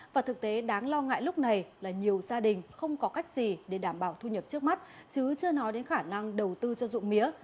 và thực tế đáng lo ngại lúc này là nhiều gia đình không có cách gì để đảm bảo thu nhập trước mắt chứ chưa nói đến khả năng đầu tư cho dụng mía